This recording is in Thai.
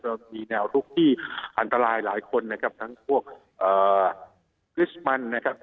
มีแนวลุกที่อันตรายหลายคนนะครับทั้งพวกคริสต์มันนะครับ